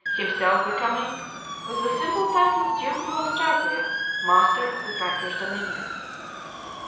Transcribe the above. himself becoming, with the simple title of Duke of Austrasia, master of the Frankish dominion.